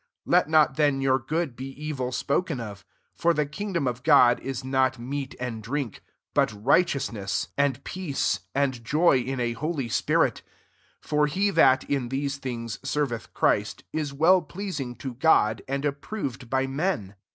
16 Let not then yonr good be evil spoken of. 17 For th^ kingdom of God is not meal and drink; but righteoi ROMANS XV. £69 ind peace, and joy in a holy pirit 18 For he that, in these hings, serveth Christ, is well ►leasing to God, and approved ly men.